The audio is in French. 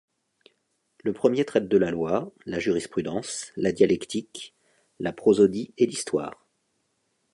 Le premier traite de la loi, la jurisprudence, la dialectique, la prosodie et l'histoire.